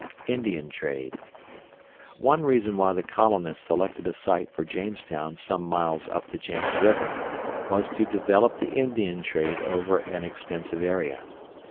INDIAN TRADE One reason why the colonists selected a site for Jamestown some miles up the James River was to develop the Indian trade over an extensive area.